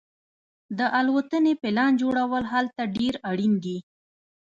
د الوتنې پلان جوړول هلته ډیر اړین دي